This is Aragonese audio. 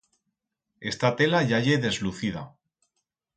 Esta tela ya ye deslucida.